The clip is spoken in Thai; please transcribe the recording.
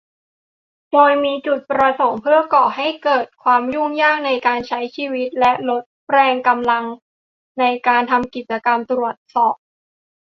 โดยมีจุดประสงค์เพื่อก่อให้เกิดความยุ่งยากในการใช้ชีวิต และลดแรงกำลังในการทำกิจกรรมตรวจสอบ